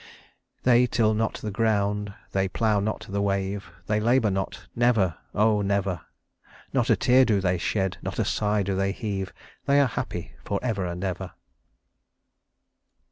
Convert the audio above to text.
They till not the ground, they plow not the wave, They labor not, never! oh, never! Not a tear do they shed, not a sigh do they heave, They are happy forever and ever!"